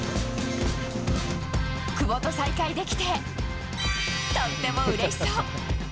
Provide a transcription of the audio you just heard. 久保と再会できてとってもうれしそう。